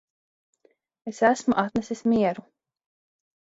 Es esmu atnesis mieru